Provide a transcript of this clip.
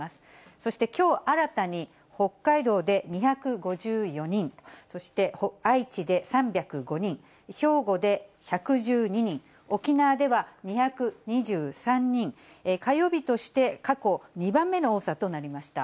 そしてきょう新たに北海道で２５４人、そして愛知で３０５人、兵庫で１１２人、沖縄では２２３人、火曜日として過去２番目の多さとなりました。